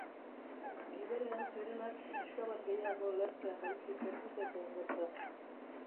Gibelean zirenak pixka bat gehiago lehertzea baizik ez zitekeen gerta.